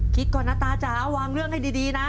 คิดก่อนนะตาจ๋าวางเรื่องให้ดีนะ